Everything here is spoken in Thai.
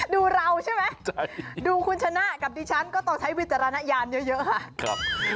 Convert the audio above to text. ดูเราใช่ไหมดูคุณชนะกับดิฉันก็ต้องใช้วิจารณญาณเยอะค่ะ